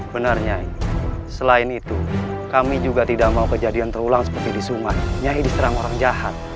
benar nyai selain itu kami juga tidak mau kejadian terulang seperti di sungai nyai diserang orang jahat